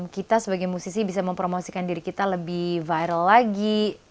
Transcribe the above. kita sebagai musisi bisa mempromosikan diri kita lebih viral lagi